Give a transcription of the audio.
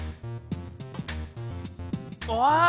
ああ！